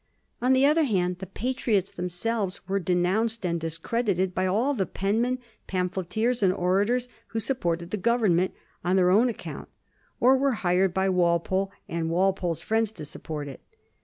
On the other hand, the Patriots themselves were denounced and discredited by all the penmen, pamphleteers, and orators who sup ported the Government on their own account, or were hired by Walpole and Walpole's friends to support it.